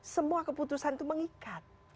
semua keputusan itu mengikat